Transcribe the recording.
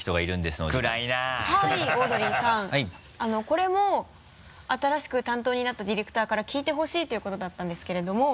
これも新しく担当になったディレクターから聞いてほしいということだったんですけれども。